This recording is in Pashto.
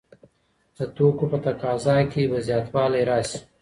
د توکو په تقاضا کي به زياتوالی راسي.